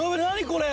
これ。